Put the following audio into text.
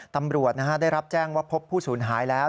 ตำรวจได้รับแจ้งว่าพบผู้สูญหายแล้ว